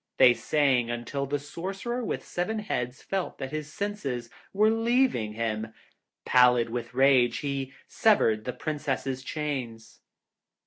They sang until the Sorcerer with the Seven Heads felt that his senses were leaving him; pallid with rage, he severed the White Princess's chains.